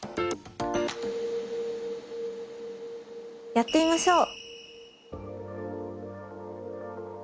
やってみましょう。